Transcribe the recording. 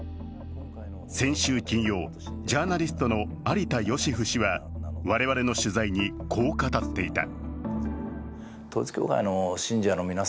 先週金曜、ジャーナリストの有田芳生氏は我々の取材に、こう語っていた。